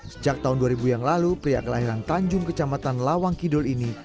sejak tahun dua ribu yang lalu pria kelahiran tanjung kecamatan lawang kidul ini